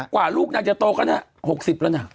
กว่าลูกนางจะโตก็นะ๖๐แล้วนะ